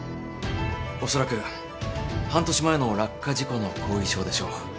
おそらく半年前の落下事故の後遺症でしょう。